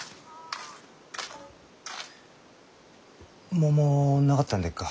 桃なかったんでっか？